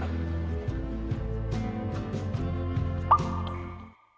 saya orang dewasa saya tahu apa yang saya inginkan